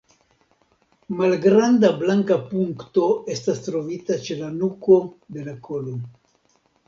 Malgranda blanka punkto estas trovita ĉe la nuko de la kolo.